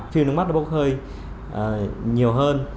phim nước mắt bốc hơi nhiều hơn